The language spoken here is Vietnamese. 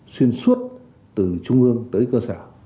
xuyên suốt từ trung ương tới cơ sở